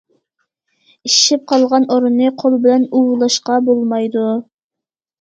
ئىششىپ قالغان ئورۇننى قول بىلەن ئۇۋۇلاشقا بولمايدۇ.